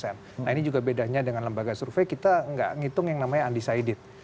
nah ini juga bedanya dengan lembaga survei kita nggak ngitung yang namanya undecided